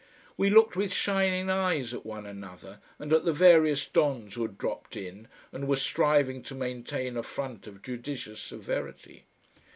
We looked with shining eyes at one another and at the various dons who had dropped in and were striving to maintain a front of judicious severity.